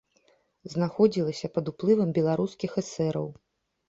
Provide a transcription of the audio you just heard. Знаходзілася пад уплывам беларускіх эсэраў.